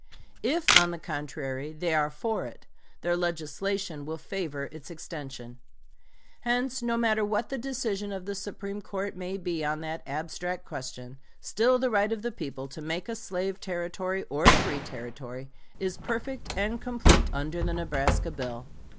If, on the contrary, they are for it, their legislation will favor its extension. Hence, no matter what the decision of the Supreme Court may be on that abstract question, still the right of the people to make a slave Territory or a free Territory is perfect and complete under the Nebraska bill.